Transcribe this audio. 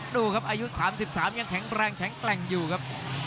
ดูครับอายุ๓๓ยังแข็งแรงแข็งแกร่งอยู่ครับ